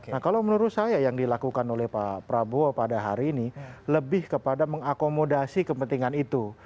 nah kalau menurut saya yang dilakukan oleh pak prabowo pada hari ini lebih kepada mengakomodasi kepentingan itu